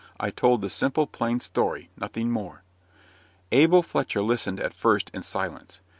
I told the simple, plain story nothing more. Abel Fletcher listened at first in silence.